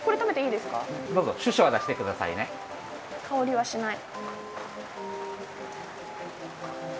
香りはしない。